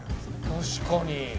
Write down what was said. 確かに。